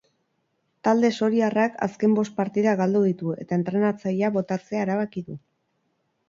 Talde soriarrak azken bost partidak galdu ditu eta entrenatzailea botatzea erabaki du.